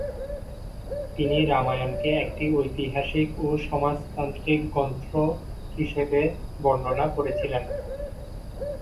তিনি রামায়ণকে একটি ঐতিহাসিক ও সমাজতান্ত্রিক গ্রন্থ হিসেবে বর্ণনা করেছিলেন।